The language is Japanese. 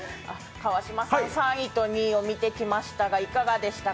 川島さん、３位と２位を見てきましたが、いかがでしたか？